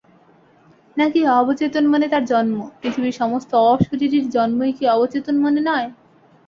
নাকি অবচেতন মনে তার জন্মঃ পৃথিবীর সমস্ত অশরীরীর জন্মই কি অবচেতন মনে নয়?